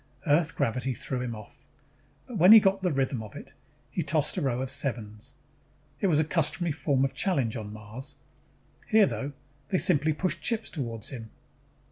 Earth gravity threw him off. But when he got the rhythm of it, he tossed a row of sevens. It was a customary form of challenge on Mars. Here, though, they simply pushed chips toward him.